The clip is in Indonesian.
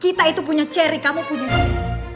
kita itu punya cherry kamu punya ciri